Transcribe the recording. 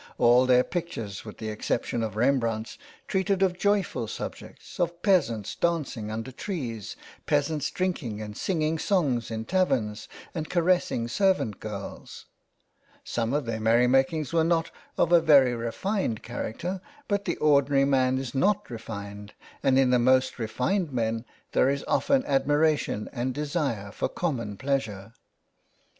All their pictures with the exception of Rembrandt's treated of joyful subjects, of peasants dancing under trees, peasants drinking and singing songs in taverns, and caressing servant girls. Some of their merry makings were not of a very refined character, but the ordinary man is not refined and in the most refined men there is often admiration and desire for common pleasure.